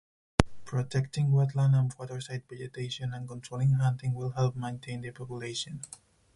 Protecting wetland and waterside vegetation and controlling hunting will help maintain the population.